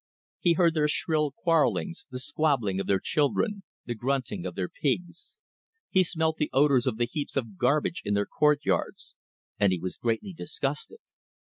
He heard their shrill quarrellings, the squalling of their children, the grunting of their pigs; he smelt the odours of the heaps of garbage in their courtyards: and he was greatly disgusted.